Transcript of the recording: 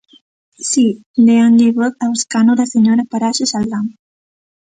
Si, déanlle voz ao escano da señora Paraxes Aldán.